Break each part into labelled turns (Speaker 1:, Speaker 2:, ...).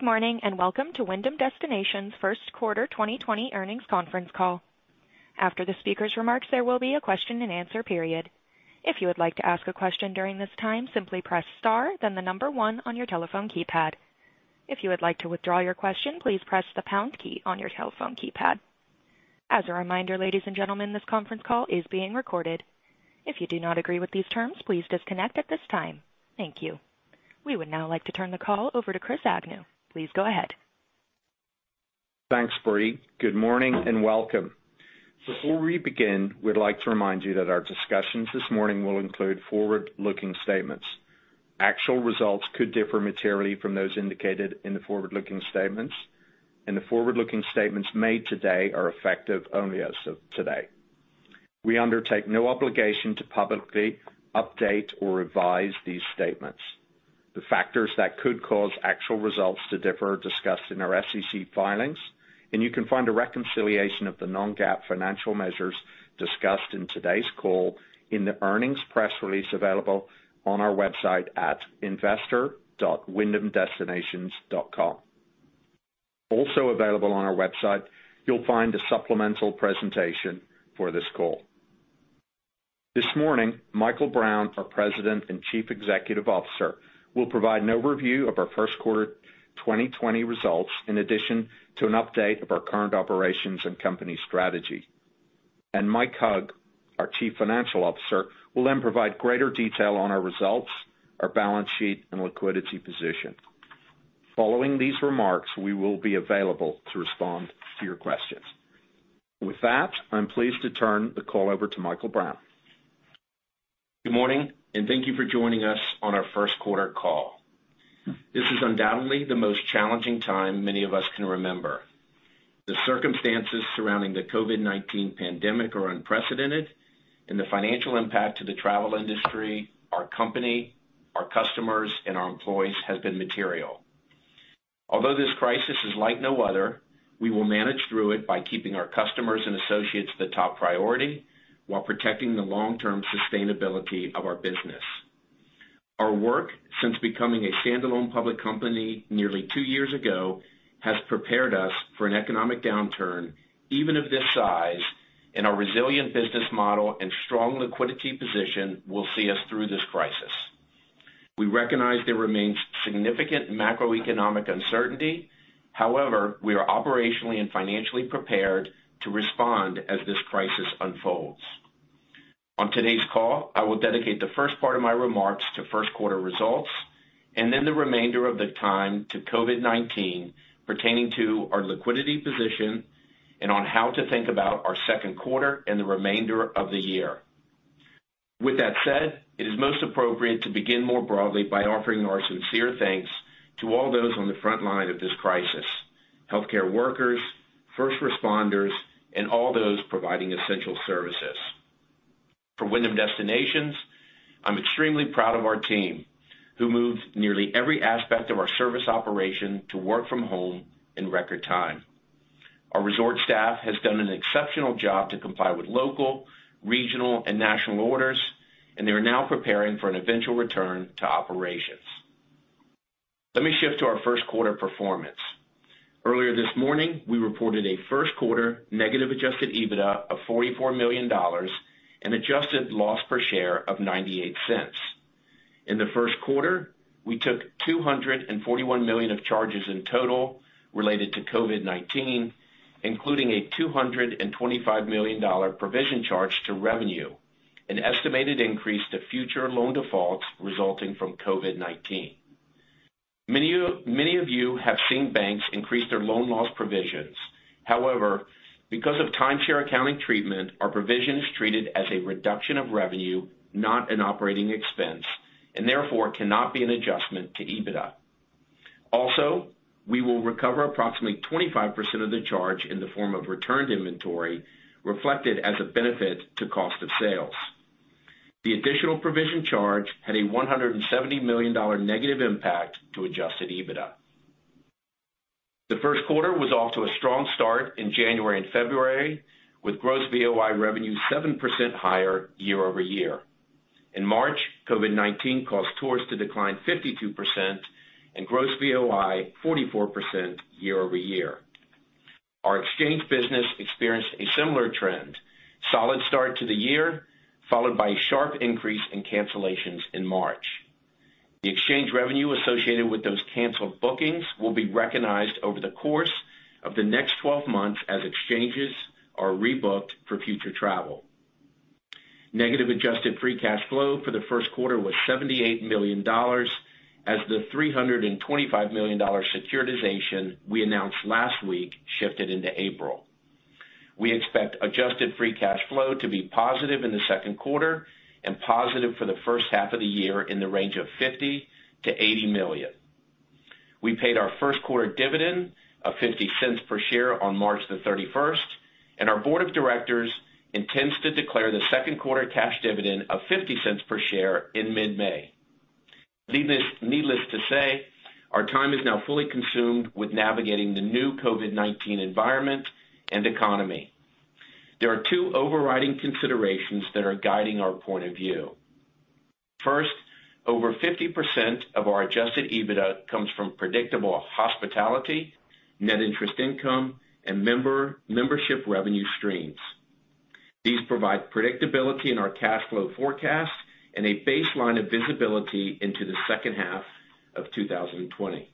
Speaker 1: Good morning, and welcome to Wyndham Destinations' first quarter 2020 earnings conference call. After the speakers' remarks, there will be a question and answer period. If you would like to ask a question during this time, simply press star, then the number 1 on your telephone keypad. If you would like to withdraw your question, please press the pound key on your telephone keypad. As a reminder, ladies and gentlemen, this conference call is being recorded. If you do not agree with these terms, please disconnect at this time. Thank you. We would now like to turn the call over to Chris Agnew. Please go ahead.
Speaker 2: Thanks, Brie. Good morning and welcome. Before we begin, we'd like to remind you that our discussions this morning will include forward-looking statements. Actual results could differ materially from those indicated in the forward-looking statements, and the forward-looking statements made today are effective only as of today. We undertake no obligation to publicly update or revise these statements. The factors that could cause actual results to differ are discussed in our SEC filings, and you can find a reconciliation of the non-GAAP financial measures discussed in today's call in the earnings press release available on our website at investor.wyndhamdestinations.com. Also available on our website, you'll find a supplemental presentation for this call. This morning, Michael Brown, our President and Chief Executive Officer, will provide an overview of our first quarter 2020 results, in addition to an update of our current operations and company strategy. Mike Hug, our Chief Financial Officer, will then provide greater detail on our results, our balance sheet, and liquidity position. Following these remarks, we will be available to respond to your questions. With that, I'm pleased to turn the call over to Michael Brown.
Speaker 3: Good morning. Thank you for joining us on our first quarter call. This is undoubtedly the most challenging time many of us can remember. The circumstances surrounding the COVID-19 pandemic are unprecedented, and the financial impact to the travel industry, our company, our customers, and our employees has been material. Although this crisis is like no other, we will manage through it by keeping our customers and associates the top priority while protecting the long-term sustainability of our business. Our work since becoming a standalone public company nearly two years ago has prepared us for an economic downturn, even of this size, and our resilient business model and strong liquidity position will see us through this crisis. We recognize there remains significant macroeconomic uncertainty. However, we are operationally and financially prepared to respond as this crisis unfolds. On today's call, I will dedicate the first part of my remarks to first quarter results and then the remainder of the time to COVID-19 pertaining to our liquidity position and on how to think about our second quarter and the remainder of the year. With that said, it is most appropriate to begin more broadly by offering our sincere thanks to all those on the front line of this crisis, healthcare workers, first responders, and all those providing essential services. For Wyndham Destinations, I'm extremely proud of our team, who moved nearly every aspect of our service operation to work from home in record time. Our resort staff has done an exceptional job to comply with local, regional, and national orders, and they are now preparing for an eventual return to operations. Let me shift to our first quarter performance. Earlier this morning, we reported a first quarter negative adjusted EBITDA of $44 million and adjusted loss per share of $0.98. In the first quarter, we took $241 million of charges in total related to COVID-19, including a $225 million provision charge to revenue, an estimated increase to future loan defaults resulting from COVID-19. Many of you have seen banks increase their loan loss provisions. However, because of timeshare accounting treatment, our provision is treated as a reduction of revenue, not an operating expense, and therefore cannot be an adjustment to EBITDA. Also, we will recover approximately 25% of the charge in the form of returned inventory reflected as a benefit to cost of sales. The additional provision charge had a $170 million negative impact to adjusted EBITDA. The first quarter was off to a strong start in January and February, with gross VOI revenue 7% higher year-over-year. In March, COVID-19 caused tours to decline 52%, and gross VOI 44% year-over-year. Our exchange business experienced a similar trend, solid start to the year, followed by a sharp increase in cancellations in March. The exchange revenue associated with those canceled bookings will be recognized over the course of the next 12 months as exchanges are rebooked for future travel. Negative adjusted free cash flow for the first quarter was $78 million, as the $325 million securitization we announced last week shifted into April. We expect adjusted free cash flow to be positive in the second quarter and positive for the first half of the year in the range of $50 million-$80 million. We paid our first quarter dividend of $0.50 per share on March the 31st. Our board of directors intends to declare the second quarter cash dividend of $0.50 per share in mid-May. Needless to say, our time is now fully consumed with navigating the new COVID-19 environment and economy. There are two overriding considerations that are guiding our point of view. First, over 50% of our adjusted EBITDA comes from predictable hospitality, net interest income, and membership revenue streams. These provide predictability in our cash flow forecast and a baseline of visibility into the second half of 2020.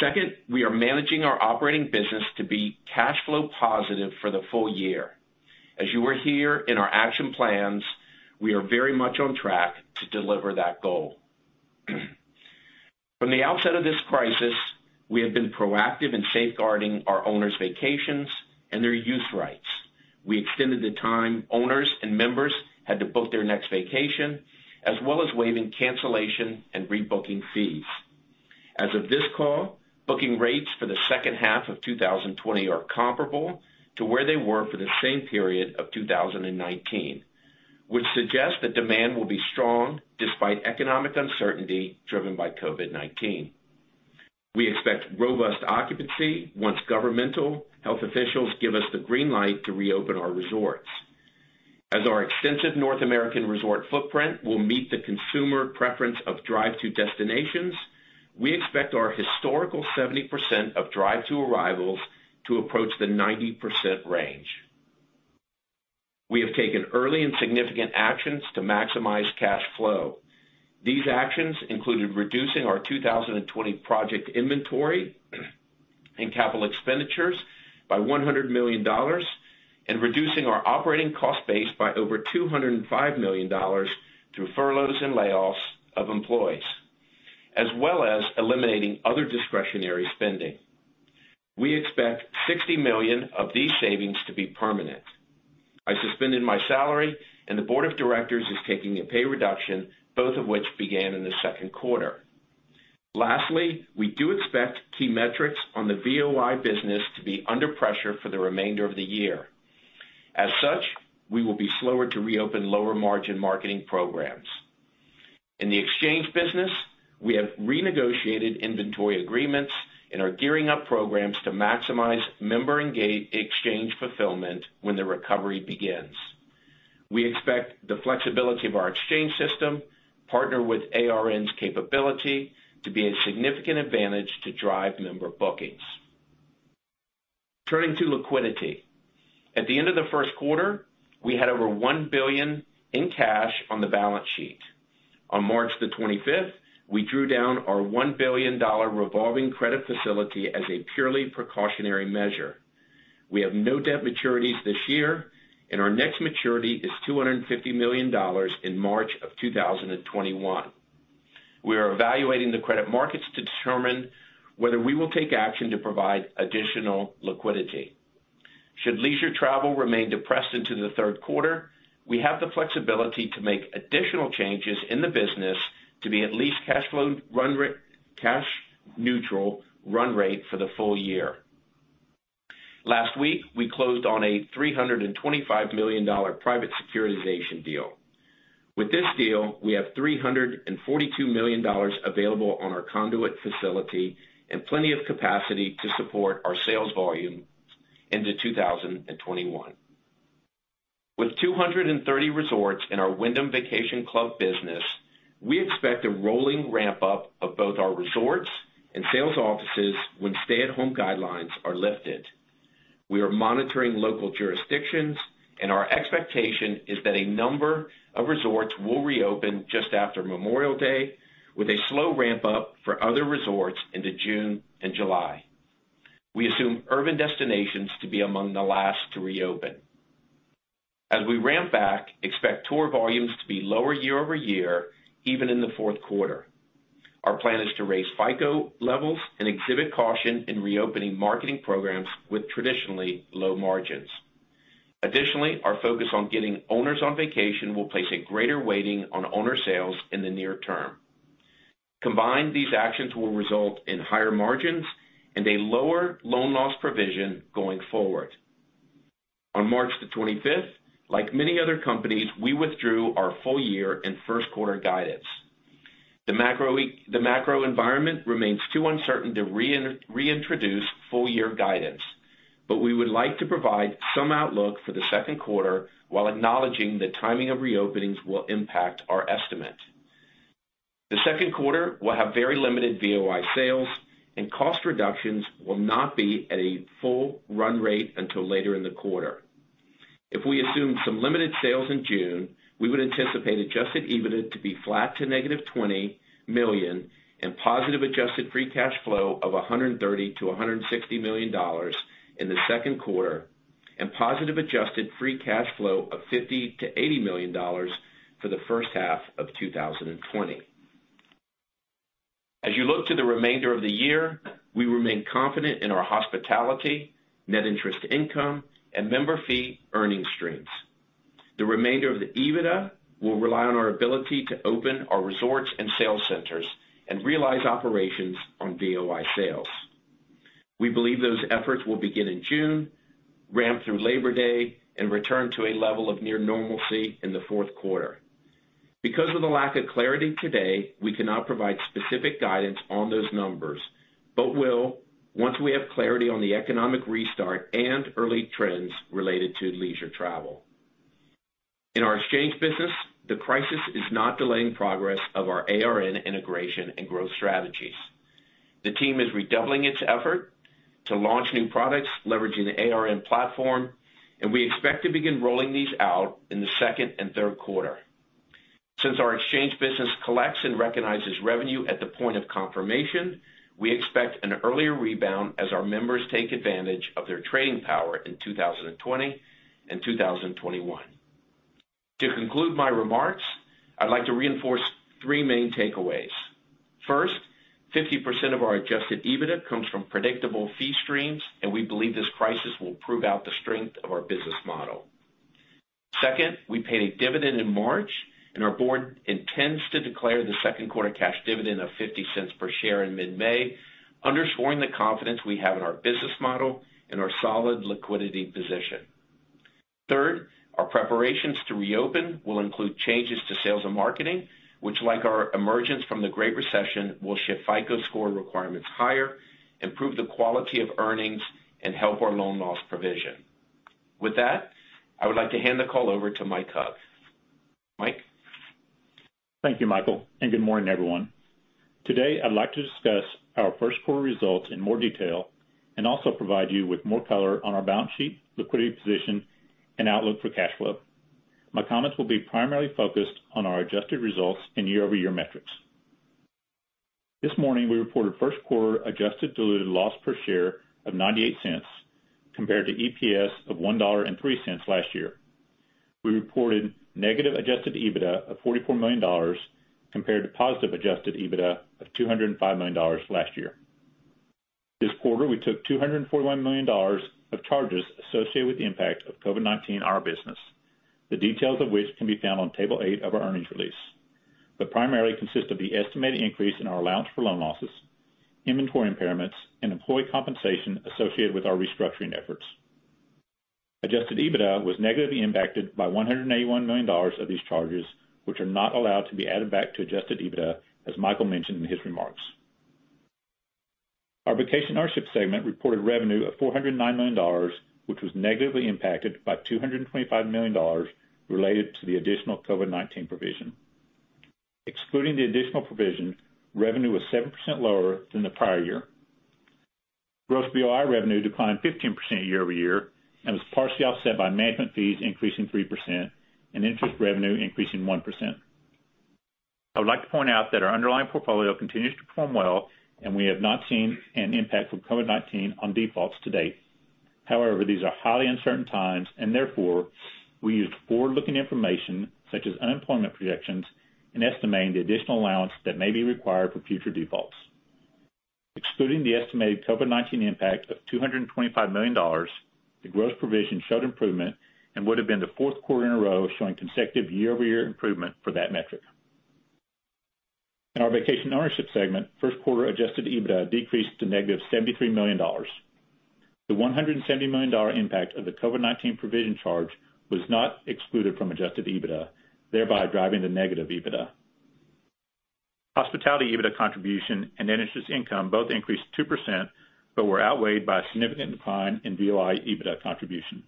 Speaker 3: Second, we are managing our operating business to be cash flow positive for the full year. As you were here in our action plans, we are very much on track to deliver that goal. From the outset of this crisis, we have been proactive in safeguarding our owners' vacations and their use rights. We extended the time owners and members had to book their next vacation, as well as waiving cancellation and rebooking fees. As of this call, booking rates for the second half of 2020 are comparable to where they were for the same period of 2019, which suggests that demand will be strong despite economic uncertainty driven by COVID-19. We expect robust occupancy once governmental health officials give us the green light to reopen our resorts. As our extensive North American resort footprint will meet the consumer preference of drive to destinations, we expect our historical 70% of drive to arrivals to approach the 90% range. We have taken early and significant actions to maximize cash flow. These actions included reducing our 2020 project inventory and capital expenditures by $100 million, and reducing our operating cost base by over $205 million through furloughs and layoffs of employees, as well as eliminating other discretionary spending. We expect $60 million of these savings to be permanent. I suspended my salary and the board of directors is taking a pay reduction, both of which began in the second quarter. Lastly, we do expect key metrics on the VOI business to be under pressure for the remainder of the year. As such, we will be slower to reopen lower margin marketing programs. In the exchange business, we have renegotiated inventory agreements and are gearing up programs to maximize member engage exchange fulfillment when the recovery begins. We expect the flexibility of our exchange system, partnered with ARN's capability, to be a significant advantage to drive member bookings. Turning to liquidity. At the end of the first quarter, we had over $1 billion in cash on the balance sheet. On March 25th, we drew down our $1 billion revolving credit facility as a purely precautionary measure. We have no debt maturities this year, and our next maturity is $250 million in March of 2021. We are evaluating the credit markets to determine whether we will take action to provide additional liquidity. Should leisure travel remain depressed into the third quarter, we have the flexibility to make additional changes in the business to be at least cash neutral run rate for the full year. Last week, we closed on a $325 million private securitization deal. With this deal, we have $342 million available on our conduit facility and plenty of capacity to support our sales volume into 2021. With 230 resorts in our Wyndham Vacation Club business, we expect a rolling ramp-up of both our resorts and sales offices when stay-at-home guidelines are lifted. We are monitoring local jurisdictions, and our expectation is that a number of resorts will reopen just after Memorial Day, with a slow ramp-up for other resorts into June and July. We assume urban destinations to be among the last to reopen. As we ramp back, expect tour volumes to be lower year-over-year, even in the fourth quarter. Our plan is to raise FICO levels and exhibit caution in reopening marketing programs with traditionally low margins. Additionally, our focus on getting owners on vacation will place a greater weighting on owner sales in the near term. Combined, these actions will result in higher margins and a lower loan loss provision going forward. On March 25th, like many other companies, we withdrew our full year and first quarter guidance. The macro environment remains too uncertain to reintroduce full year guidance, but we would like to provide some outlook for the second quarter while acknowledging the timing of reopenings will impact our estimate. The second quarter will have very limited VOI sales, and cost reductions will not be at a full run rate until later in the quarter. If we assume some limited sales in June, we would anticipate adjusted EBITDA to be flat to -$20 million and positive adjusted free cash flow of $130 million-$160 million in the second quarter, and positive adjusted free cash flow of $50 million-$80 million for the first half of 2020. As you look to the remainder of the year, we remain confident in our hospitality, net interest income, and member fee earning streams. The remainder of the EBITDA will rely on our ability to open our resorts and sales centers and realize operations on VOI sales. We believe those efforts will begin in June, ramp through Labor Day, and return to a level of near normalcy in the fourth quarter. Because of the lack of clarity today, we cannot provide specific guidance on those numbers, but once we have clarity on the economic restart and early trends related to leisure travel. In our exchange business, the crisis is not delaying progress of our ARN integration and growth strategies. The team is redoubling its effort to launch new products leveraging the ARN platform, and we expect to begin rolling these out in the second and third quarter. Since our exchange business collects and recognizes revenue at the point of confirmation, we expect an earlier rebound as our members take advantage of their trading power in 2020 and 2021. To conclude my remarks, I'd like to reinforce three main takeaways. First, 50% of our adjusted EBITDA comes from predictable fee streams, and we believe this crisis will prove out the strength of our business model. Second, we paid a dividend in March, and our board intends to declare the second quarter cash dividend of $0.50 per share in mid-May, underscoring the confidence we have in our business model and our solid liquidity position. Third, our preparations to reopen will include changes to sales and marketing, which like our emergence from the Great Recession, will shift FICO score requirements higher, improve the quality of earnings, and help our loan loss provision. With that, I would like to hand the call over to Mike Hug. Mike?
Speaker 4: Thank you, Michael. Good morning, everyone. Today, I'd like to discuss our first quarter results in more detail and also provide you with more color on our balance sheet, liquidity position, and outlook for cash flow. My comments will be primarily focused on our adjusted results and year-over-year metrics. This morning, we reported first quarter adjusted diluted loss per share of $0.98 compared to EPS of $1.03 last year. We reported negative adjusted EBITDA of $44 million compared to positive adjusted EBITDA of $205 million last year. This quarter, we took $241 million of charges associated with the impact of COVID-19 on our business, the details of which can be found on Table 8 of our earnings release. They primarily consist of the estimated increase in our allowance for loan losses, inventory impairments, and employee compensation associated with our restructuring efforts. Adjusted EBITDA was negatively impacted by $181 million of these charges, which are not allowed to be added back to Adjusted EBITDA, as Michael mentioned in his remarks. Our Vacation Ownership segment reported revenue of $409 million, which was negatively impacted by $225 million related to the additional COVID-19 provision. Excluding the additional provision, revenue was 7% lower than the prior year. Gross VOI revenue declined 15% year-over-year and was partially offset by management fees increasing 3% and interest revenue increasing 1%. I would like to point out that our underlying portfolio continues to perform well, and we have not seen an impact from COVID-19 on defaults to date. However, these are highly uncertain times and therefore, we used forward-looking information such as unemployment projections in estimating the additional allowance that may be required for future defaults. Excluding the estimated COVID-19 impact of $225 million, the gross provision showed improvement and would've been the fourth quarter in a row showing consecutive year-over-year improvement for that metric. In our Vacation Ownership segment, first quarter adjusted EBITDA decreased to negative $73 million. The $170 million impact of the COVID-19 provision charge was not excluded from adjusted EBITDA, thereby driving the negative EBITDA. Hospitality EBITDA contribution and net interest income both increased 2% but were outweighed by a significant decline in VOI EBITDA contribution.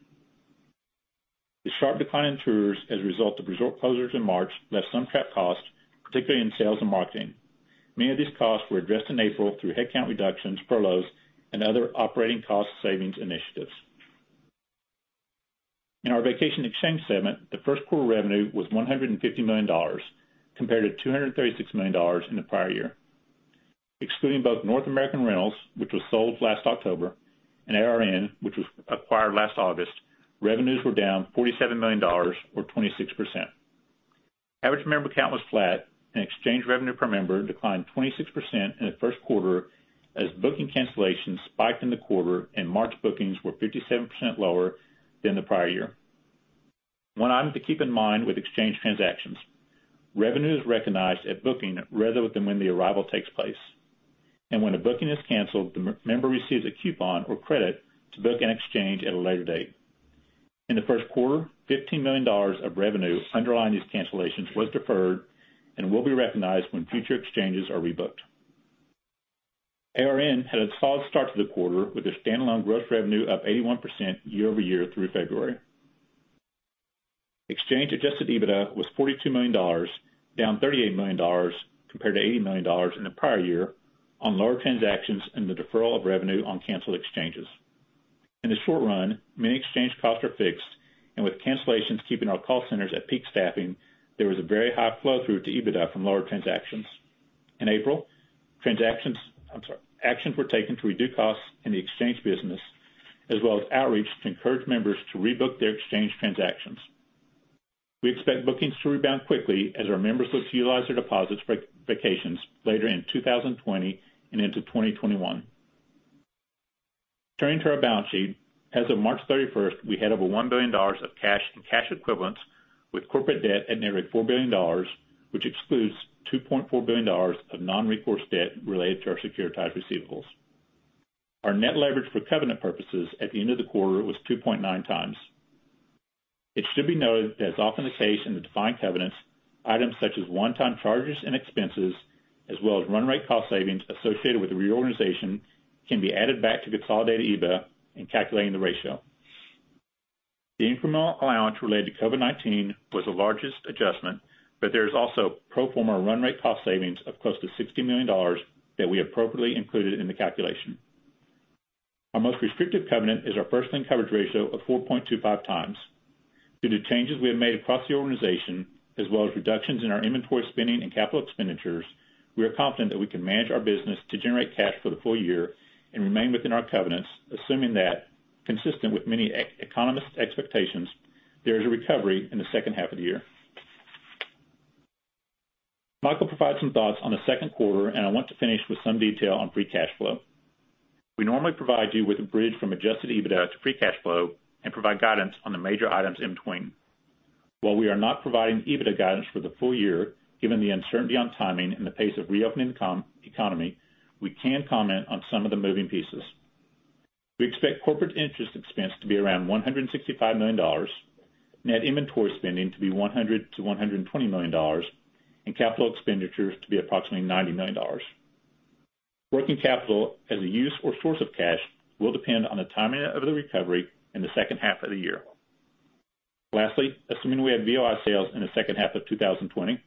Speaker 4: The sharp decline in tours as a result of resort closures in March left some trapped costs, particularly in sales and marketing. Many of these costs were addressed in April through headcount reductions, furloughs, and other operating cost savings initiatives. In our Vacation Exchange segment, the first quarter revenue was $150 million compared to $236 million in the prior year. Excluding both North American Rentals, which was sold last October, and ARN, which was acquired last August, revenues were down $47 million or 26%. Average member count was flat, and exchange revenue per member declined 26% in the first quarter as booking cancellations spiked in the quarter and March bookings were 57% lower than the prior year. One item to keep in mind with exchange transactions, revenue is recognized at booking rather than when the arrival takes place. When a booking is canceled, the member receives a coupon or credit to book an exchange at a later date. In the first quarter, $15 million of revenue underlying these cancellations was deferred and will be recognized when future exchanges are rebooked. ARN had a solid start to the quarter with their standalone gross revenue up 81% year-over-year through February. Exchange adjusted EBITDA was $42 million, down $38 million compared to $80 million in the prior year on lower transactions and the deferral of revenue on canceled exchanges. In the short run, many exchange costs are fixed, and with cancellations keeping our call centers at peak staffing, there was a very high flow-through to EBITDA from lower transactions. In April, actions were taken to reduce costs in the exchange business as well as outreach to encourage members to rebook their exchange transactions. We expect bookings to rebound quickly as our members look to utilize their deposits for vacations later in 2020 and into 2021. Turning to our balance sheet. As of March 31st, we had over $1 billion of cash and cash equivalents with corporate debt at nearly $4 billion, which excludes $2.4 billion of non-recourse debt related to our securitized receivables. Our net leverage for covenant purposes at the end of the quarter was 2.9 times. It should be noted that as often the case in the defined covenants, items such as one-time charges and expenses, as well as run rate cost savings associated with the reorganization, can be added back to consolidated EBIT in calculating the ratio. The incremental allowance related to COVID-19 was the largest adjustment, but there is also pro forma run rate cost savings of close to $60 million that we appropriately included in the calculation. Our most restrictive covenant is our first lien coverage ratio of 4.25 times. Due to changes we have made across the organization, as well as reductions in our inventory spending and capital expenditures, we are confident that we can manage our business to generate cash for the full year and remain within our covenants, assuming that, consistent with many economists' expectations, there is a recovery in the second half of the year. Michael provided some thoughts on the second quarter, and I want to finish with some detail on free cash flow. We normally provide you with a bridge from adjusted EBITDA to free cash flow and provide guidance on the major items in between. While we are not providing EBITDA guidance for the full year, given the uncertainty on timing and the pace of reopening the economy, we can comment on some of the moving pieces. We expect corporate interest expense to be around $165 million, net inventory spending to be $100 million-$120 million, and capital expenditures to be approximately $90 million. Working capital as a use or source of cash will depend on the timing of the recovery in the second half of the year. Lastly, assuming we have VOI sales in the second half of 2020,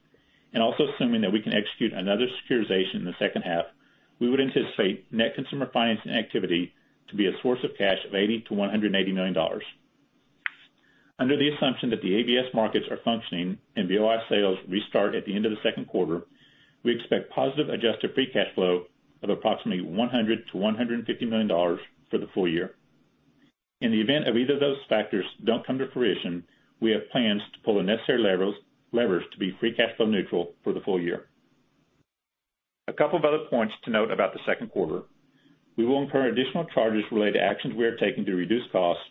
Speaker 4: and also assuming that we can execute another securitization in the second half, we would anticipate net consumer financing activity to be a source of cash of $80 million-$180 million. Under the assumption that the ABS markets are functioning and VOI sales restart at the end of the second quarter, we expect positive adjusted free cash flow of approximately $100 million-$150 million for the full year. In the event of either of those factors don't come to fruition, we have plans to pull the necessary levers to be free cash flow neutral for the full year. A couple of other points to note about the second quarter. We will incur additional charges related to actions we are taking to reduce costs,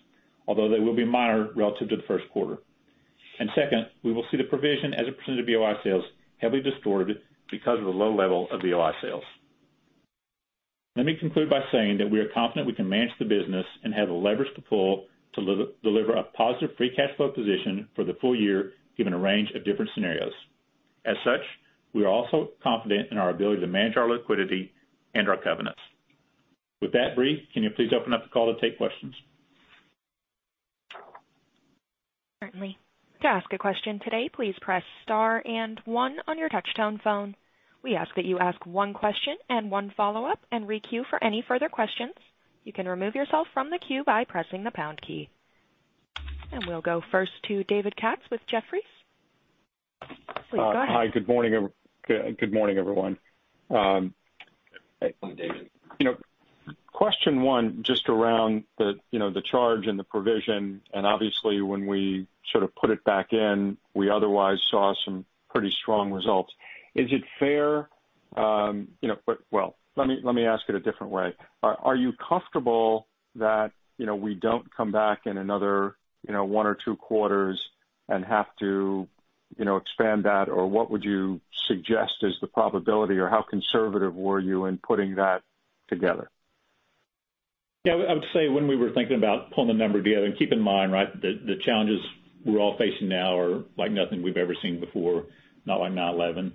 Speaker 4: although they will be minor relative to the first quarter. Second, we will see the provision as a % of VOI sales heavily distorted because of the low level of VOI sales. Let me conclude by saying that we are confident we can manage the business and have the leverage to pull to deliver a positive free cash flow position for the full year, given a range of different scenarios. As such, we are also confident in our ability to manage our liquidity and our covenants. With that, Brie, can you please open up the call to take questions?
Speaker 1: Certainly. To ask a question today, please press star and one on your touch-tone phone. We ask that you ask one question and one follow-up and re-queue for any further questions. You can remove yourself from the queue by pressing the pound key. We'll go first to David Katz with Jefferies. Please go ahead.
Speaker 5: Hi. Good morning, everyone.
Speaker 3: Good morning, David.
Speaker 5: Question one, just around the charge and the provision, obviously when we sort of put it back in, we otherwise saw some pretty strong results. Well, let me ask it a different way. Are you comfortable that we don't come back in another one or two quarters and have to expand that? What would you suggest is the probability, or how conservative were you in putting that together?
Speaker 4: Yeah, I would say when we were thinking about pulling the number together, and keep in mind, right, the challenges we're all facing now are like nothing we've ever seen before. Not like 9/11.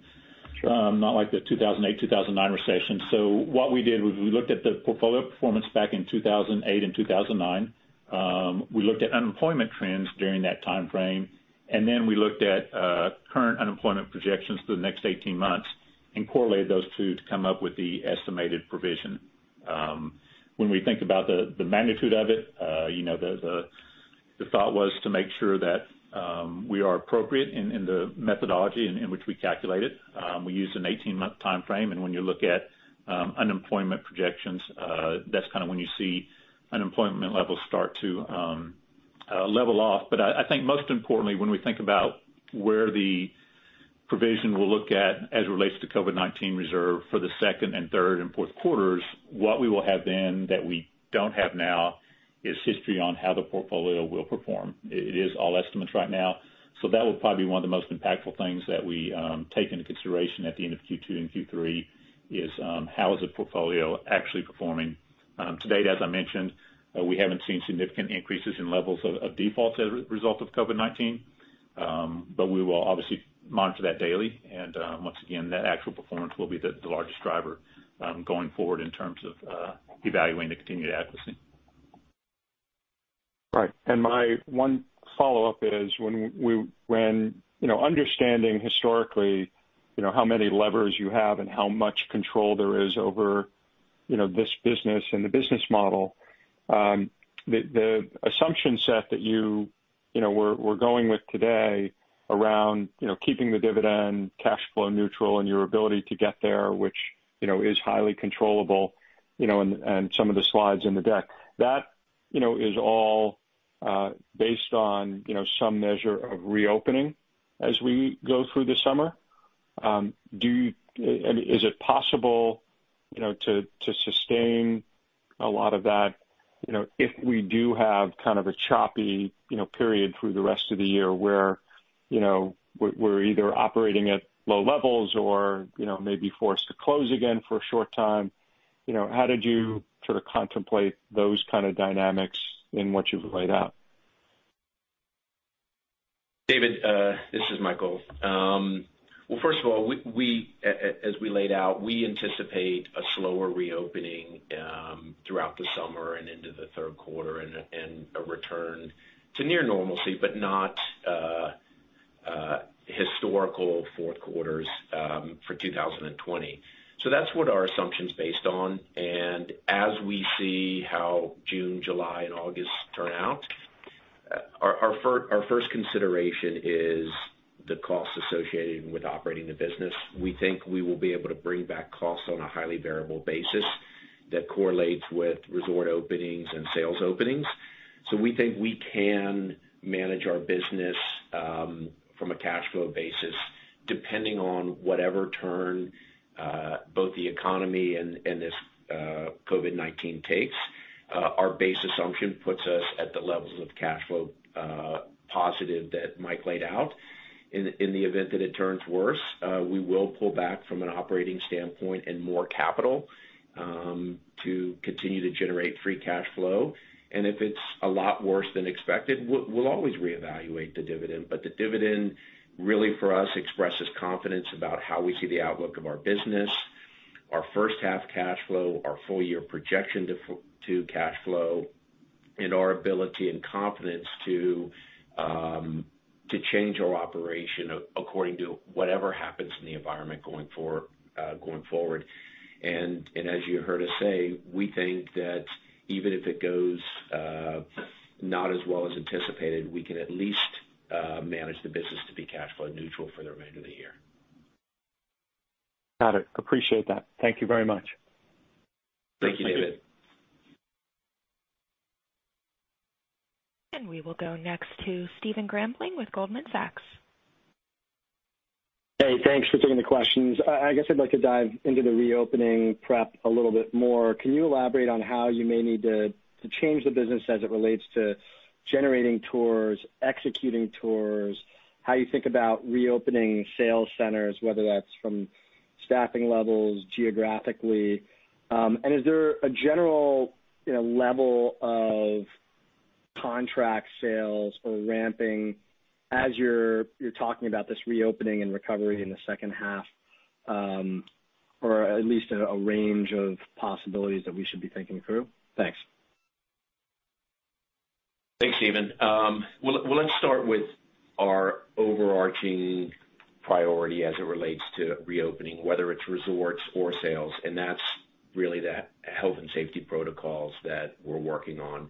Speaker 5: Sure.
Speaker 4: Not like the 2008, 2009 recession. What we did was we looked at the portfolio performance back in 2008 and 2009. We looked at unemployment trends during that time frame, and then we looked at current unemployment projections for the next 18 months and correlated those two to come up with the estimated provision. When we think about the magnitude of it, the thought was to make sure that we are appropriate in the methodology in which we calculate it. We used an 18-month time frame, and when you look at unemployment projections, that's kind of when you see unemployment levels start to level off. I think most importantly, when we think about where the provision will look at as it relates to COVID-19 reserve for the second and third and fourth quarters, what we will have then that we don't have now is history on how the portfolio will perform. It is all estimates right now, so that will probably be one of the most impactful things that we take into consideration at the end of Q2 and Q3 is, how is the portfolio actually performing? To date, as I mentioned, we haven't seen significant increases in levels of defaults as a result of COVID-19. We will obviously monitor that daily. Once again, that actual performance will be the largest driver going forward in terms of evaluating the continued adequacy.
Speaker 5: Right. My one follow-up is when understanding historically how many levers you have and how much control there is over this business and the business model, the assumption set that you were going with today around keeping the dividend cash flow neutral and your ability to get there, which is highly controllable on some of the slides in the deck. That is all based on some measure of reopening as we go through the summer. Is it possible to sustain a lot of that if we do have kind of a choppy period through the rest of the year where we're either operating at low levels or maybe forced to close again for a short time? How did you sort of contemplate those kind of dynamics in what you've laid out?
Speaker 3: David, this is Michael. Well, first of all, as we laid out, we anticipate a slower reopening throughout the summer and into the third quarter and a return to near normalcy, but not historical fourth quarters for 2020. That's what our assumption's based on. As we see how June, July, and August turn out, our first consideration is the cost associated with operating the business. We think we will be able to bring back costs on a highly variable basis that correlates with resort openings and sales openings. We think we can manage our business from a cash flow basis depending on whatever turn both the economy and this COVID-19 takes. Our base assumption puts us at the levels of cash flow positive that Mike laid out. In the event that it turns worse, we will pull back from an operating standpoint and more capital to continue to generate free cash flow. If it's a lot worse than expected, we'll always reevaluate the dividend. The dividend really for us expresses confidence about how we see the outlook of our business, our first half cash flow, our full year projection to cash flow, and our ability and confidence to change our operation according to whatever happens in the environment going forward. As you heard us say, we think that even if it goes not as well as anticipated, we can at least manage the business to be cash flow neutral for the remainder of the year.
Speaker 5: Got it. Appreciate that. Thank you very much.
Speaker 3: Thank you, David.
Speaker 1: We will go next to Stephen Grambling with Goldman Sachs.
Speaker 6: Hey, thanks for taking the questions. I guess I'd like to dive into the reopening prep a little bit more. Can you elaborate on how you may need to change the business as it relates to generating tours, executing tours, how you think about reopening sales centers, whether that's from staffing levels geographically? Is there a general level of contract sales or ramping as you're talking about this reopening and recovery in the second half, or at least a range of possibilities that we should be thinking through? Thanks.
Speaker 3: Thanks, Stephen. Let's start with our overarching priority as it relates to reopening, whether it's resorts or sales, and that's really that health and safety protocols that we're working on.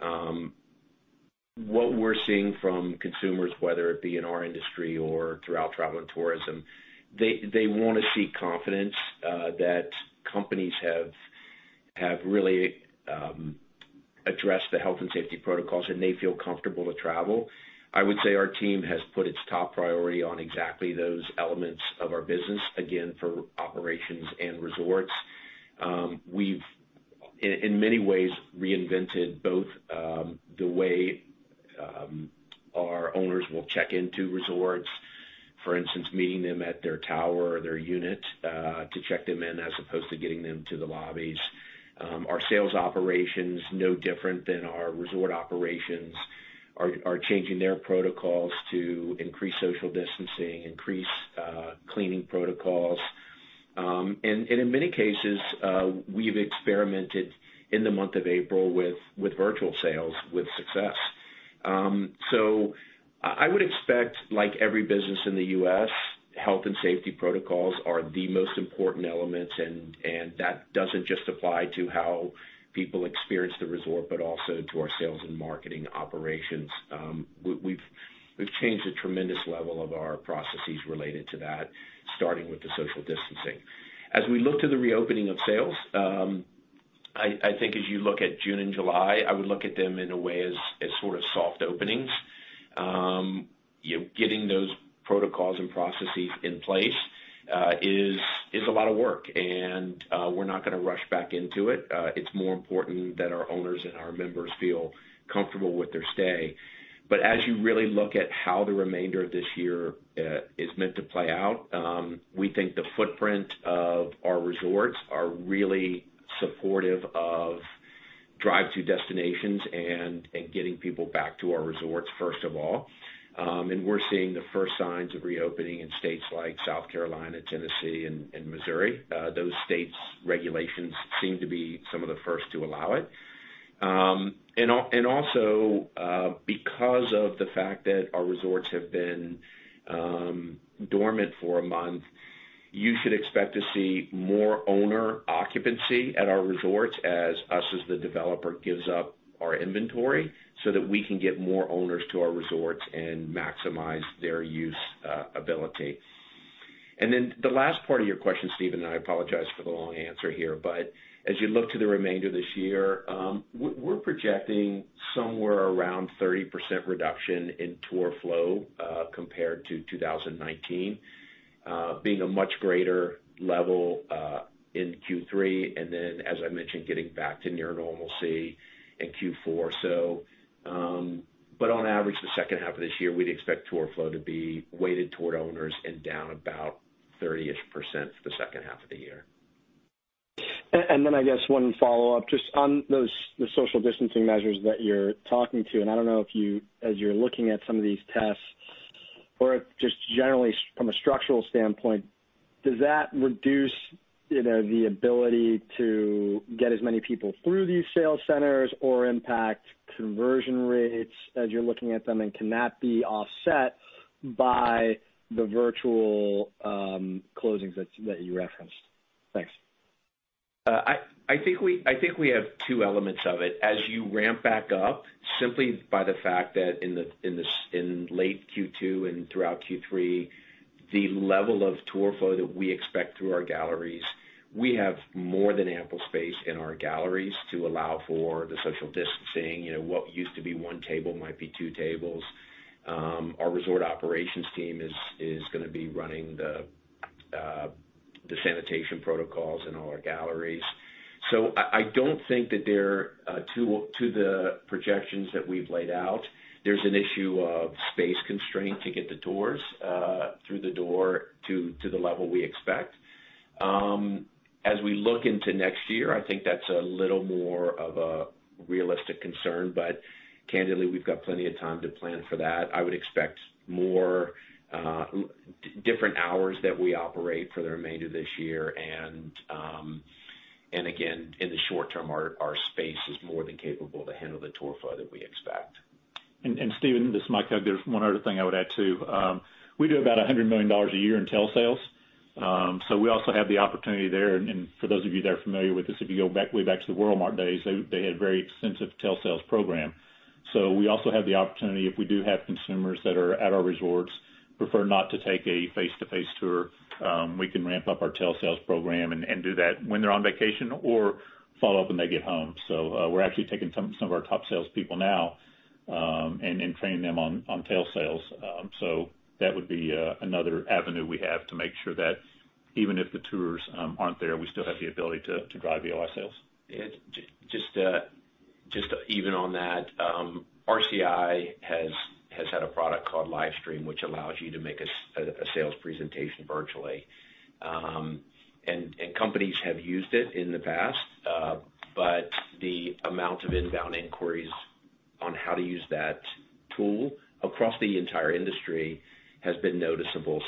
Speaker 3: What we're seeing from consumers, whether it be in our industry or throughout travel and tourism, they want to see confidence that companies have really addressed the health and safety protocols, and they feel comfortable to travel. I would say our team has put its top priority on exactly those elements of our business, again, for operations and resorts. We've, in many ways, reinvented both the way our owners will check into resorts, for instance, meeting them at their tower or their unit to check them in as opposed to getting them to the lobbies. Our sales operations, no different than our resort operations, are changing their protocols to increase social distancing, increase cleaning protocols. In many cases, we've experimented in the month of April with virtual sales with success. I would expect, like every business in the U.S., health and safety protocols are the most important elements, and that doesn't just apply to how people experience the resort, but also to our sales and marketing operations. We've changed a tremendous level of our processes related to that, starting with the social distancing. As we look to the reopening of sales, I think as you look at June and July, I would look at them in a way as sort of soft openings. Getting those protocols and processes in place is a lot of work, and we're not going to rush back into it. It's more important that our owners and our members feel comfortable with their stay. As you really look at how the remainder of this year is meant to play out, we think the footprint of our resorts are really supportive of drive to destinations and getting people back to our resorts, first of all. We're seeing the first signs of reopening in states like South Carolina, Tennessee, and Missouri. Those states' regulations seem to be some of the first to allow it. Also, because of the fact that our resorts have been dormant for a month, you should expect to see more owner occupancy at our resorts as us as the developer gives up our inventory so that we can get more owners to our resorts and maximize their use ability. The last part of your question, Stephen, I apologize for the long answer here, as you look to the remainder of this year, we're projecting somewhere around 30% reduction in tour flow compared to 2019, being a much greater level in Q3, as I mentioned, getting back to near normalcy in Q4. On average, the second half of this year, we'd expect tour flow to be weighted toward owners and down about 30% for the second half of the year.
Speaker 6: I guess one follow-up just on the social distancing measures that you're talking to, and I don't know if as you're looking at some of these tests or just generally from a structural standpoint, does that reduce the ability to get as many people through these sales centers or impact conversion rates as you're looking at them? Can that be offset by the virtual closings that you referenced? Thanks.
Speaker 3: I think we have two elements of it. As you ramp back up, simply by the fact that in late Q2 and throughout Q3, the level of tour flow that we expect through our galleries, we have more than ample space in our galleries to allow for the social distancing. What used to be one table might be two tables. Our resort operations team is going to be running the sanitation protocols in all our galleries. I don't think that to the projections that we've laid out, there's an issue of space constraint to get the tours through the door to the level we expect. As we look into next year, I think that's a little more of a realistic concern, but candidly, we've got plenty of time to plan for that. I would expect more different hours that we operate for the remainder of this year, and again, in the short term, our space is more than capable to handle the tour flow that we expect.
Speaker 4: Stephen, this is Mike Hug. There's one other thing I would add, too. We do about $100 million a year in tele sales. We also have the opportunity there, and for those of you that are familiar with this, if you go way back to the WorldMark days, they had a very extensive tele sales program. We also have the opportunity, if we do have consumers that are at our resorts prefer not to take a face-to-face tour, we can ramp up our tele sales program and do that when they're on vacation or follow up when they get home. We're actually taking some of our top salespeople now and training them on tele sales. That would be another avenue we have to make sure that even if the tours aren't there, we still have the ability to drive VOI sales. Just even on that, RCI has had a product called LiveStream, which allows you to make a sales presentation virtually. Companies have used it in the past, but the amount of inbound inquiries on how to use that tool across the entire industry has been noticeable.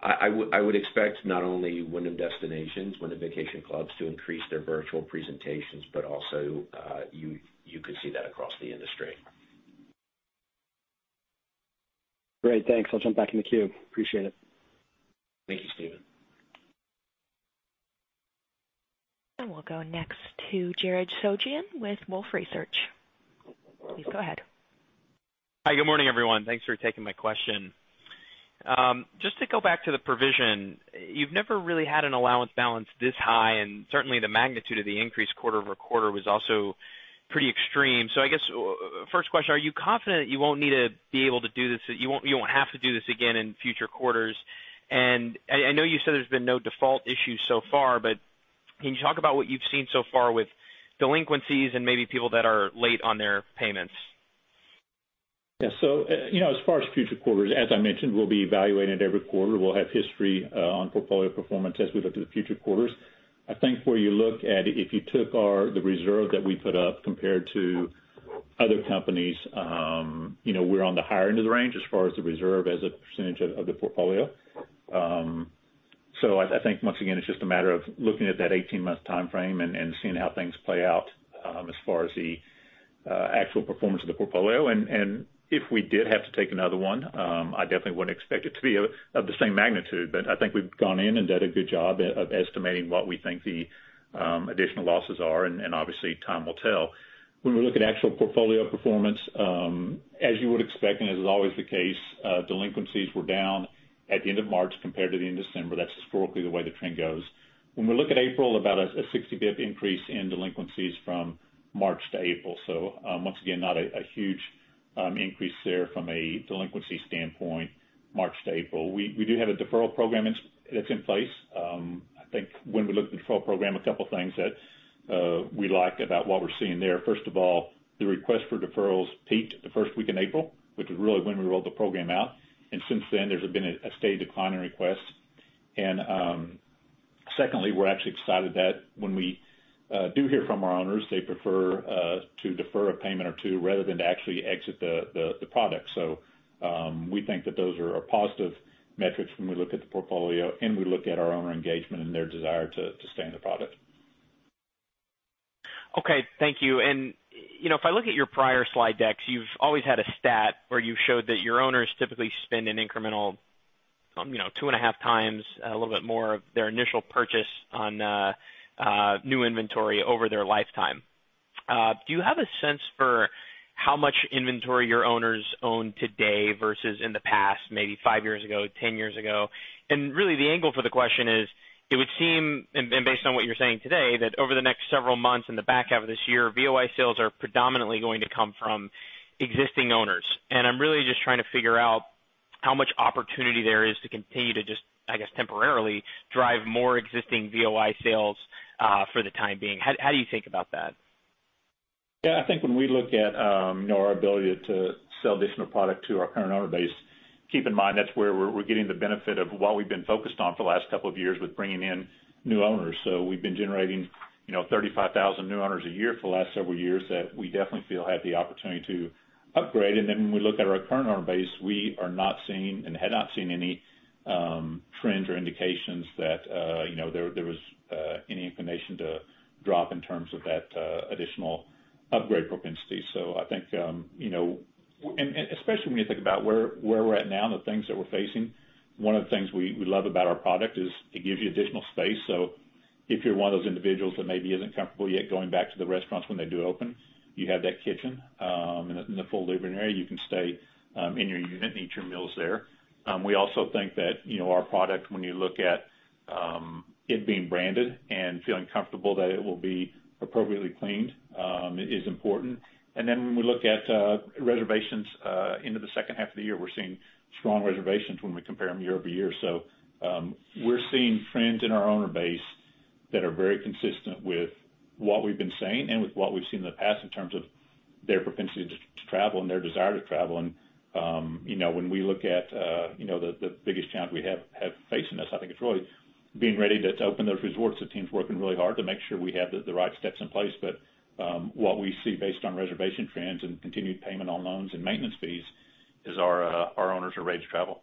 Speaker 4: I would expect not only Wyndham Destinations, Wyndham Vacation Clubs to increase their virtual presentations, but also you could see that across the industry.
Speaker 6: Great. Thanks. I'll jump back in the queue. Appreciate it.
Speaker 3: Thank you, Stephen.
Speaker 1: We'll go next to Jared Shojaian with Wolfe Research. Please go ahead.
Speaker 7: Hi. Good morning, everyone. Thanks for taking my question. Just to go back to the provision, you've never really had an allowance balance this high, and certainly the magnitude of the increase quarter-over-quarter was also pretty extreme. I guess first question, are you confident that you won't have to do this again in future quarters? I know you said there's been no default issues so far, but can you talk about what you've seen so far with delinquencies and maybe people that are late on their payments?
Speaker 4: Yeah. As far as future quarters, as I mentioned, we'll be evaluating it every quarter. We'll have history on portfolio performance as we look to the future quarters. I think where you look at if you took the reserve that we put up compared to other companies, we're on the higher end of the range as far as the reserve as a percentage of the portfolio. I think once again, it's just a matter of looking at that 18-month timeframe and seeing how things play out as far as the actual performance of the portfolio. If we did have to take another one, I definitely wouldn't expect it to be of the same magnitude. I think we've gone in and done a good job of estimating what we think the additional losses are, and obviously, time will tell. When we look at actual portfolio performance, as you would expect, and as is always the case, delinquencies were down at the end of March compared to the end of December. That's historically the way the trend goes. When we look at April, about a 60 bip increase in delinquencies from March to April. Once again, not a huge increase there from a delinquency standpoint March to April. We do have a deferral program that's in place. I think when we look at the deferral program, a couple things that we like about what we're seeing there, first of all, the request for deferrals peaked the first week in April, which was really when we rolled the program out, and since then, there's been a steady decline in requests. Secondly, we're actually excited that when we do hear from our owners, they prefer to defer a payment or two rather than to actually exit the product. We think that those are positive metrics when we look at the portfolio and we look at our owner engagement and their desire to stay in the product.
Speaker 7: Okay. Thank you. If I look at your prior slide decks, you've always had a stat where you showed that your owners typically spend an incremental two and a half times, a little bit more of their initial purchase on new inventory over their lifetime. Do you have a sense for how much inventory your owners own today versus in the past, maybe five years ago, 10 years ago? Really the angle for the question is, it would seem, and based on what you're saying today, that over the next several months in the back half of this year, VOI sales are predominantly going to come from existing owners. I'm really just trying to figure how much opportunity there is to continue to just, I guess, temporarily drive more existing VOI sales for the time being. How do you think about that?
Speaker 4: I think when we look at our ability to sell additional product to our current owner base, keep in mind that's where we're getting the benefit of what we've been focused on for the last couple of years with bringing in new owners. We've been generating 35,000 new owners a year for the last several years that we definitely feel have the opportunity to upgrade. When we look at our current owner base, we are not seeing and had not seen any trends or indications that there was any inclination to drop in terms of that additional upgrade propensity. I think, especially when you think about where we're at now and the things that we're facing, one of the things we love about our product is it gives you additional space. If you're one of those individuals that maybe isn't comfortable yet going back to the restaurants when they do open, you have that kitchen and the full living area. You can stay in your unit and eat your meals there. We also think that our product, when you look at it being branded and feeling comfortable that it will be appropriately cleaned is important. When we look at reservations into the second half of the year, we're seeing strong reservations when we compare them year-over-year. We're seeing trends in our owner base that are very consistent with what we've been saying and with what we've seen in the past in terms of their propensity to travel and their desire to travel. When we look at the biggest challenge we have facing us, I think it's really being ready to open those resorts. The team's working really hard to make sure we have the right steps in place. What we see based on reservation trends and continued payment on loans and maintenance fees is our owners are ready to travel.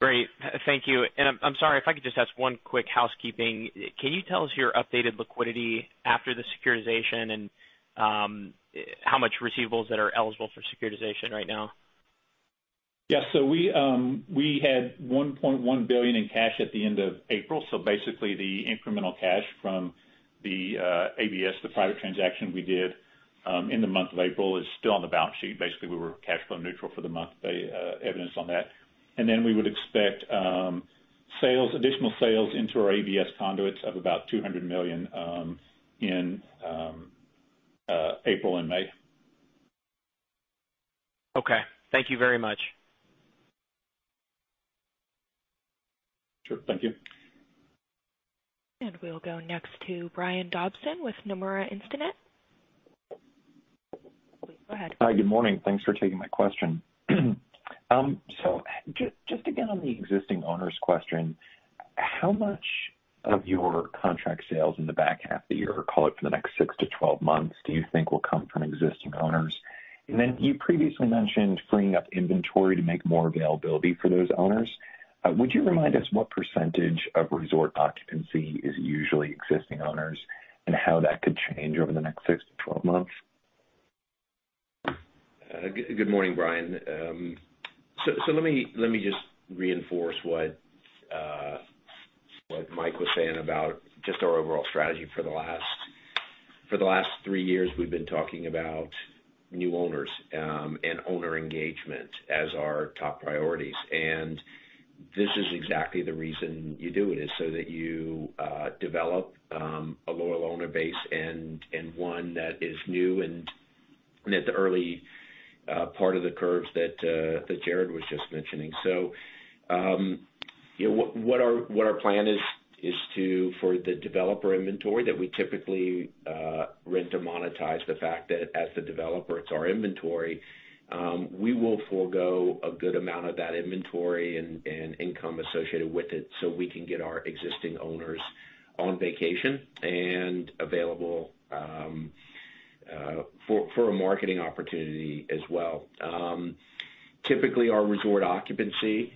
Speaker 7: Great. Thank you. I'm sorry, if I could just ask one quick housekeeping. Can you tell us your updated liquidity after the securitization and how much receivables that are eligible for securitization right now?
Speaker 4: Yeah. We had $1.1 billion in cash at the end of April. Basically, the incremental cash from the ABS, the private transaction we did in the month of April, is still on the balance sheet. Basically, we were cash flow neutral for the month by evidence on that. Then we would expect additional sales into our ABS conduits of about $200 million in April and May.
Speaker 7: Okay. Thank you very much.
Speaker 4: Sure. Thank you.
Speaker 1: We'll go next to Brian Dobson with Nomura Instinet. Please go ahead.
Speaker 8: Hi. Good morning. Thanks for taking my question. Just again, on the existing owners question, how much of your contract sales in the back half of the year, or call it for the next 6-12 months, do you think will come from existing owners? Then you previously mentioned freeing up inventory to make more availability for those owners. Would you remind us what percentage of resort occupancy is usually existing owners and how that could change over the next 6-12 months?
Speaker 3: Good morning, Brian. Let me just reinforce what Mike was saying about just our overall strategy. For the last three years, we've been talking about new owners and owner engagement as our top priorities. This is exactly the reason you do it, is so that you develop a loyal owner base and one that is new and at the early part of the curves that Jared was just mentioning. What our plan is for the developer inventory that we typically rent or monetize, the fact that as the developer, it's our inventory, we will forego a good amount of that inventory and income associated with it so we can get our existing owners on vacation and available for a marketing opportunity as well. Typically, our resort occupancy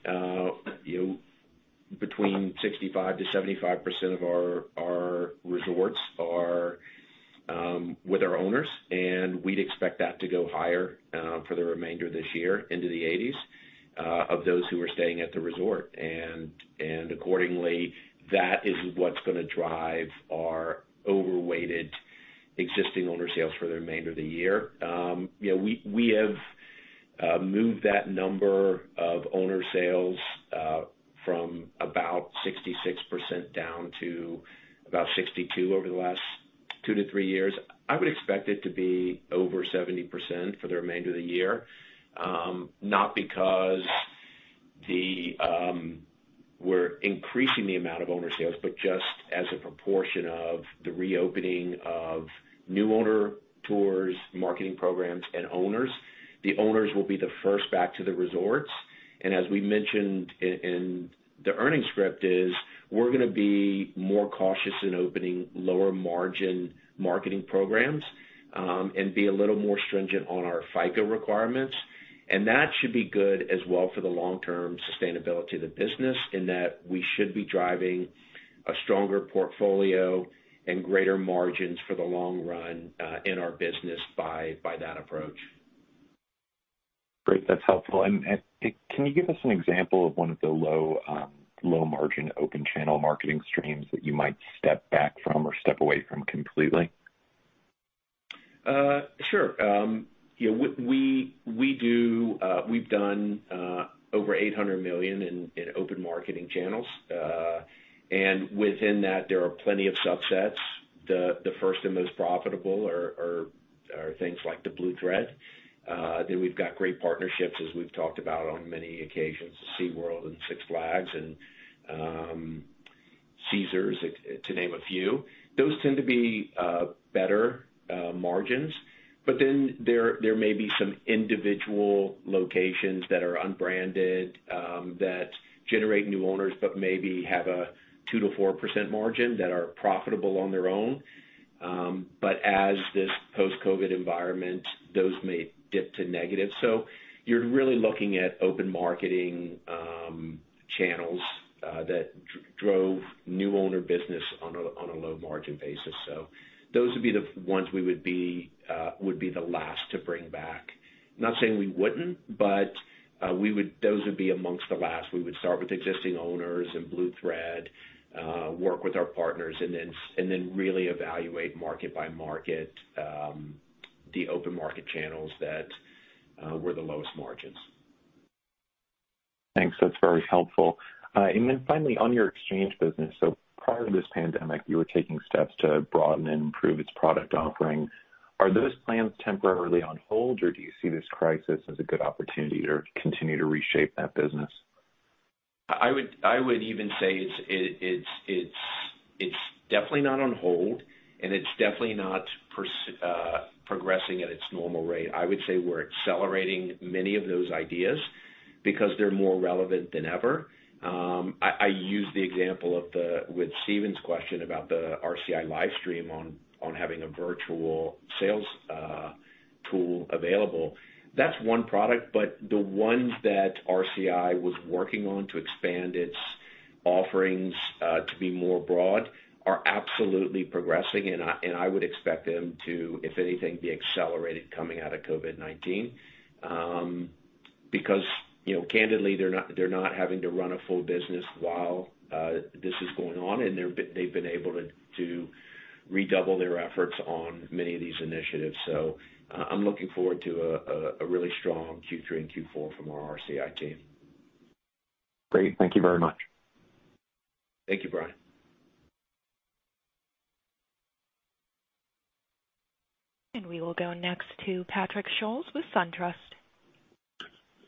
Speaker 3: between 65%-75% of our resorts are with our owners, and we'd expect that to go higher for the remainder of this year into the 80s of those who are staying at the resort. Accordingly, that is what's going to drive our overweighted existing owner sales for the remainder of the year. We have moved that number of owner sales from about 66% down to about 62% over the last two to three years. I would expect it to be over 70% for the remainder of the year. Not because we're increasing the amount of owner sales, but just as a proportion of the reopening of new owner tours, marketing programs, and owners. The owners will be the first back to the resorts. As we mentioned in the earnings script is we're going to be more cautious in opening lower margin marketing programs and be a little more stringent on our FICO requirements. That should be good as well for the long-term sustainability of the business in that we should be driving a stronger portfolio and greater margins for the long run in our business by that approach.
Speaker 8: Great. That's helpful. Can you give us an example of one of the low margin open channel marketing streams that you might step back from or step away from completely?
Speaker 3: Sure. We've done over $800 million in open marketing channels. Within that, there are plenty of subsets. The first and most profitable are things like the Blue Thread. We've got great partnerships, as we've talked about on many occasions, SeaWorld and Six Flags and Caesars, to name a few. Those tend to be better margins. There may be some individual locations that are unbranded, that generate new owners, but maybe have a 2%-4% margin that are profitable on their own. As this post-COVID environment, those may dip to negative. You're really looking at open marketing channels that drove new owner business on a low margin basis. Those would be the ones we would be the last to bring back. Not saying we wouldn't, but those would be amongst the last. We would start with existing owners and Blue Thread, work with our partners, then really evaluate market by market, the open market channels that were the lowest margins.
Speaker 8: Thanks. That's very helpful. Then finally, on your exchange business. Prior to this pandemic, you were taking steps to broaden and improve its product offering. Are those plans temporarily on hold, or do you see this crisis as a good opportunity to continue to reshape that business?
Speaker 3: I would even say it's definitely not on hold, and it's definitely not progressing at its normal rate. I would say we're accelerating many of those ideas because they're more relevant than ever. I use the example with Stephen's question about the RCI LiveStream on having a virtual sales tool available. That's one product, but the ones that RCI was working on to expand its offerings to be more broad are absolutely progressing, and I would expect them to, if anything, be accelerated coming out of COVID-19. Candidly, they're not having to run a full business while this is going on, and they've been able to redouble their efforts on many of these initiatives. I'm looking forward to a really strong Q3 and Q4 from our RCI team.
Speaker 8: Great. Thank you very much.
Speaker 3: Thank you, Brian.
Speaker 1: We will go next to Patrick Scholes with SunTrust.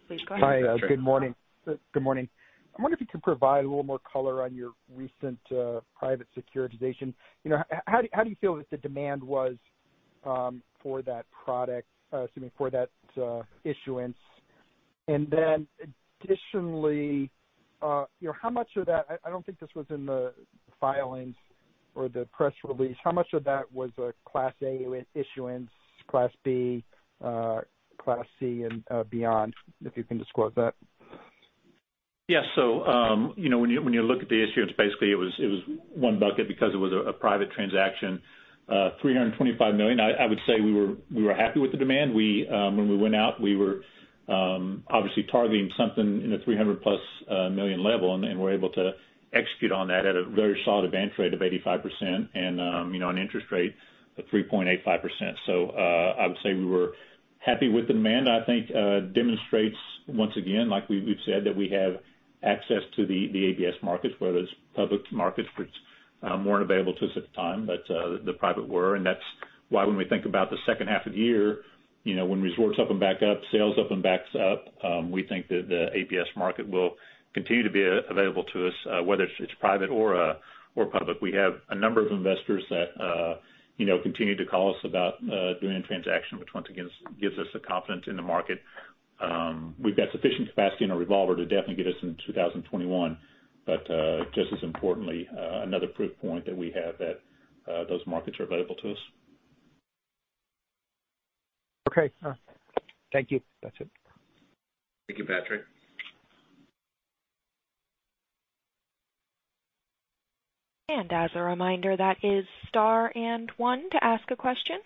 Speaker 1: Please go ahead.
Speaker 9: Hi. Good morning. I wonder if you could provide a little more color on your recent private securitization. How do you feel that the demand was for that product, excuse me, for that issuance? Additionally, how much of that I don't think this was in the filings or the press release. How much of that was Class A issuance, Class B, Class C and beyond, if you can disclose that?
Speaker 4: Yes. When you look at the issuance, basically it was one bucket because it was a private transaction. $325 million. I would say we were happy with the demand. When we went out, we were obviously targeting something in the $300+ million level, and we're able to execute on that at a very solid advance rate of 85% and an interest rate of 3.85%. I would say we were happy with demand. I think demonstrates once again, like we've said, that we have access to the ABS markets, whether it's public markets, which weren't available to us at the time, but the private were. That's why when we think about the second half of the year, when resorts open back up, sales open back up, we think that the ABS market will continue to be available to us, whether it's private or public. We have a number of investors that continue to call us about doing a transaction, which once again gives us the confidence in the market. We've got sufficient capacity in our revolver to definitely get us into 2021. Just as importantly, another proof point that we have that those markets are available to us.
Speaker 9: Okay. Thank you. That's it.
Speaker 3: Thank you, Patrick.
Speaker 1: As a reminder, that is star and one to ask a question.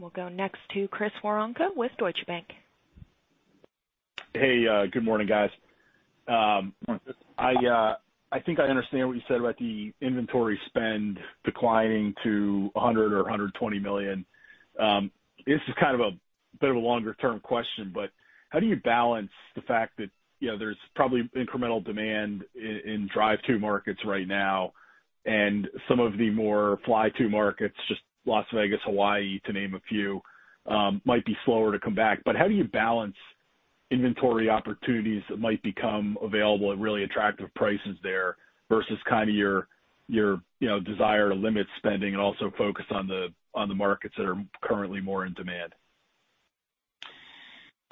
Speaker 1: We'll go next to Chris Woronka with Deutsche Bank.
Speaker 10: Hey, good morning, guys.
Speaker 3: Morning.
Speaker 10: I think I understand what you said about the inventory spend declining to $100 million or $120 million. This is kind of a bit of a longer-term question, but how do you balance the fact that there's probably incremental demand in drive-to markets right now and some of the more fly-to markets, just Las Vegas, Hawaii, to name a few, might be slower to come back. How do you balance inventory opportunities that might become available at really attractive prices there versus your desire to limit spending and also focus on the markets that are currently more in demand?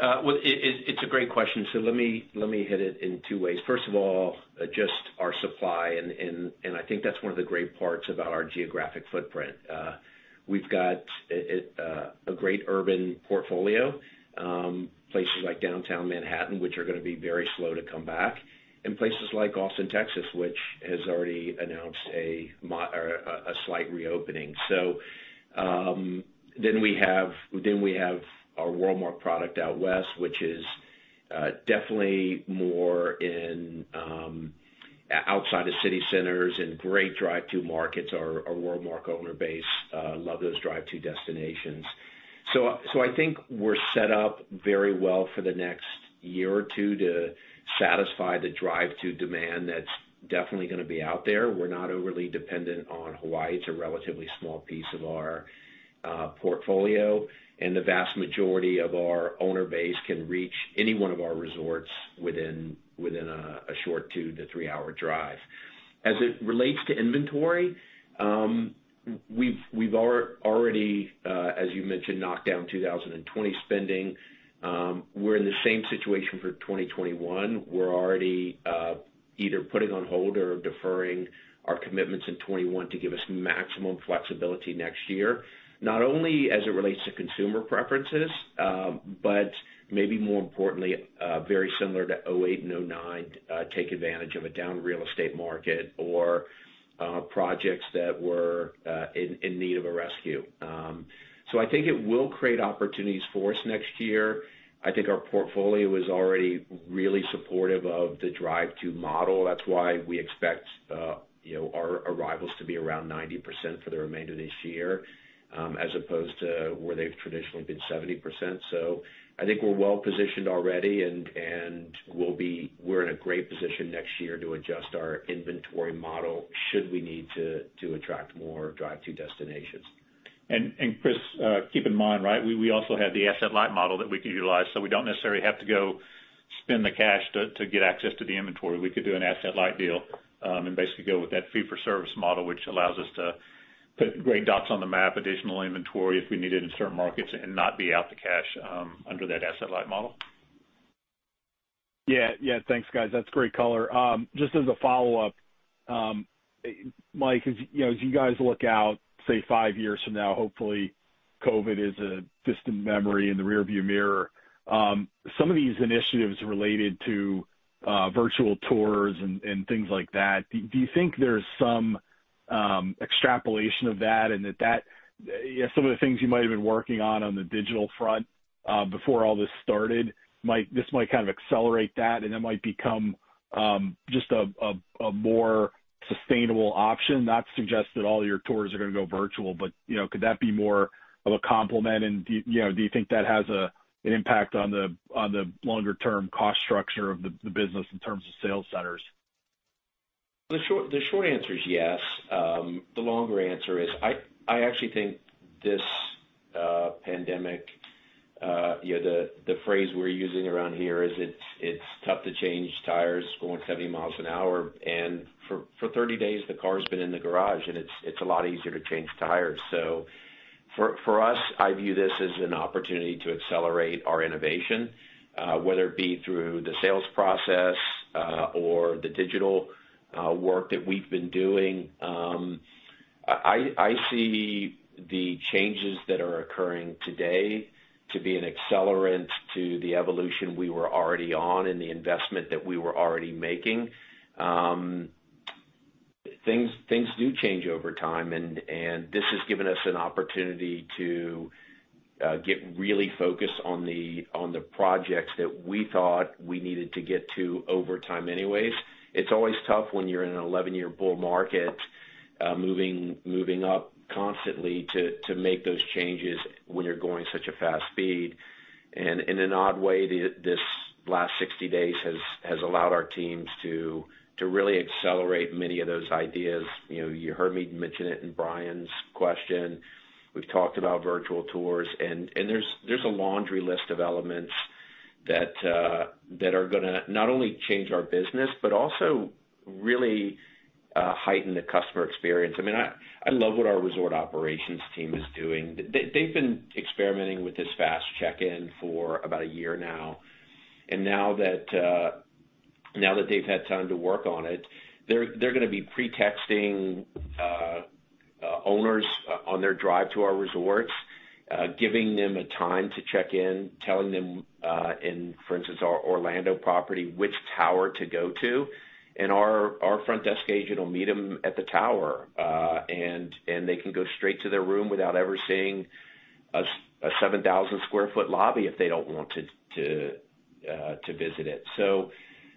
Speaker 3: Well, it's a great question. Let me hit it in two ways. First of all, just our supply. I think that's one of the great parts about our geographic footprint. We've got a great urban portfolio, places like downtown Manhattan, which are going to be very slow to come back, and places like Austin, Texas, which has already announced a slight reopening. We have our WorldMark product out west, which is definitely more in outside of city centers and great drive-to markets. Our WorldMark owner base love those drive-to destinations. I think we're set up very well for the next year or two to satisfy the drive-to demand that's definitely going to be out there. We're not overly dependent on Hawaii. It's a relatively small piece of our portfolio, and the vast majority of our owner base can reach any one of our resorts within a short two to three-hour drive. As it relates to inventory, we've already, as you mentioned, knocked down 2020 spending. We're in the same situation for 2021. We're already either putting on hold or deferring our commitments in 2021 to give us maximum flexibility next year, not only as it relates to consumer preferences, but maybe more importantly very similar to 2008 and 2009, take advantage of a down real estate market or projects that were in need of a rescue. I think it will create opportunities for us next year. I think our portfolio is already really supportive of the drive to model. That's why we expect our arrivals to be around 90% for the remainder of this year as opposed to where they've traditionally been 70%. I think we're well-positioned already, and we're in a great position next year to adjust our inventory model should we need to attract more drive to destinations.
Speaker 4: Chris, keep in mind, we also have the asset-light model that we could utilize, so we don't necessarily have to go spend the cash to get access to the inventory. We could do an asset-light deal and basically go with that fee for service model, which allows us to put great dots on the map, additional inventory if we need it in certain markets and not be out the cash under that asset-light model.
Speaker 10: Yeah. Thanks, guys. That's great color. Just as a follow-up. Mike, as you guys look out, say, five years from now, hopefully COVID-19 is a distant memory in the rear view mirror. Some of these initiatives related to virtual tours and things like that, do you think there's some extrapolation of that and some of the things you might have been working on the digital front before all this started, this might kind of accelerate that, and it might become just a more sustainable option? Not to suggest that all your tours are going to go virtual, but could that be more of a complement, and do you think that has an impact on the longer-term cost structure of the business in terms of sales centers?
Speaker 3: The short answer is yes. The longer answer is, I actually think this pandemic, the phrase we're using around here is it's tough to change tires going 70 miles an hour. For 30 days, the car's been in the garage, and it's a lot easier to change tires. For us, I view this as an opportunity to accelerate our innovation, whether it be through the sales process or the digital work that we've been doing. I see the changes that are occurring today to be an accelerant to the evolution we were already on and the investment that we were already making. Things do change over time, and this has given us an opportunity to get really focused on the projects that we thought we needed to get to over time anyways. It's always tough when you're in an 11-year bull market, moving up constantly to make those changes when you're going such a fast speed. In an odd way, this last 60 days has allowed our teams to really accelerate many of those ideas. You heard me mention it in Brian's question. We've talked about virtual tours, and there's a laundry list of elements that are going to not only change our business, but also really heighten the customer experience. I love what our resort operations team is doing. They've been experimenting with this fast check-in for about a year now. Now that they've had time to work on it, they're going to be pre-texting owners on their drive to our resorts giving them a time to check in, telling them in, for instance, our Orlando property, which tower to go to. Our front desk agent will meet them at the tower, and they can go straight to their room without ever seeing a 7,000 sq ft lobby if they don't want to visit it.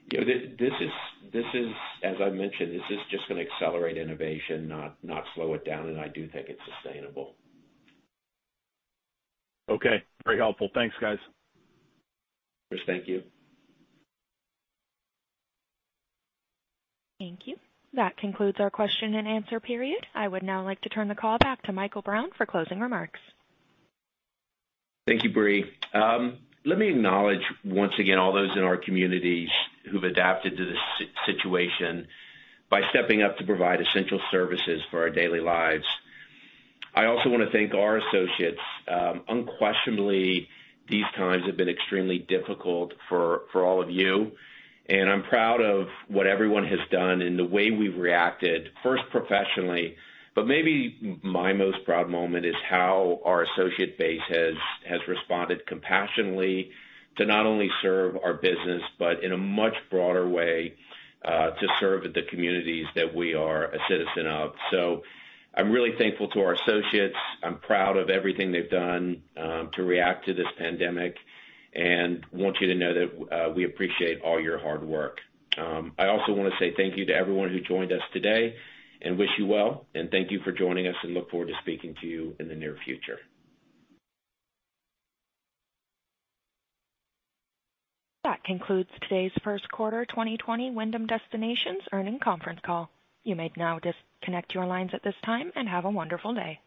Speaker 3: This is, as I mentioned, this is just going to accelerate innovation, not slow it down. I do think it's sustainable.
Speaker 10: Okay. Very helpful. Thanks, guys.
Speaker 3: Chris, thank you.
Speaker 1: Thank you. That concludes our question and answer period. I would now like to turn the call back to Michael Brown for closing remarks.
Speaker 3: Thank you, Brie. Let me acknowledge once again all those in our communities who've adapted to this situation by stepping up to provide essential services for our daily lives. I also want to thank our associates. Unquestionably, these times have been extremely difficult for all of you, and I'm proud of what everyone has done and the way we've reacted, first professionally, but maybe my proudest moment is how our associate base has responded compassionately to not only serve our business, but in a much broader way to serve the communities that we are a citizen of. I'm really thankful to our associates. I'm proud of everything they've done to react to this pandemic and want you to know that we appreciate all your hard work. I also want to say thank you to everyone who joined us today and wish you well, and thank you for joining us and look forward to speaking to you in the near future.
Speaker 1: That concludes today's first quarter 2020 Wyndham Destinations earnings conference call. You may now disconnect your lines at this time, and have a wonderful day.